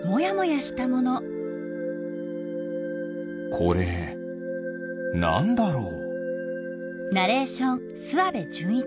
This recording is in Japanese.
これなんだろう？